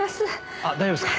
あっ大丈夫ですか？